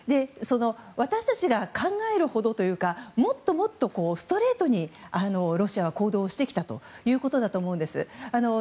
私たちが考えるほどというかもっともっとストレートにロシアは行動してきたということだと思うんです。